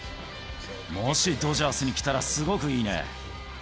もしドジャースに来たら、すごくいいね！